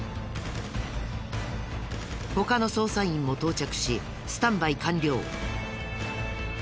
他の捜査員も到着しスタンバイ完了。